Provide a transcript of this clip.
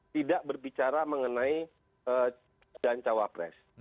tidak berbicara mengenai jalan cawa pres